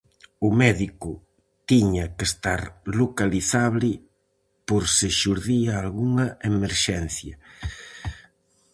O médico tiña que estar localizable por se xurdía algunha emerxencia.